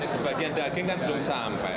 sebagian daging kan belum sampai